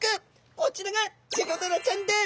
こちらがチゴダラちゃんです。